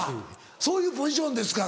そういうポジションですから。